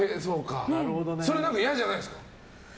それ、嫌じゃないですか。